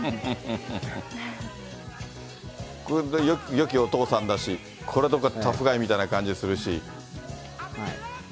よきお父さんだし、これとかタフガイみたいな感じするし。